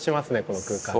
この空間。